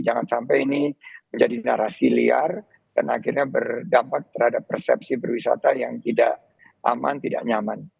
jangan sampai ini menjadi narasi liar dan akhirnya berdampak terhadap persepsi berwisata yang tidak aman tidak nyaman